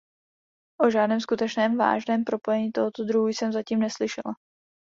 O žádném skutečném vážném propojení tohoto druhu jsem zatím neslyšela.